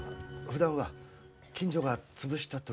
ふだんは近所が潰した時に